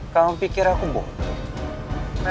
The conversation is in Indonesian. kamu pikir aku bohong